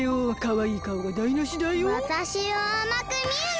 わたしをあまくみるな！